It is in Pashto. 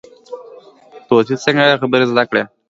طوطي څنګه خبرې زده کوي؟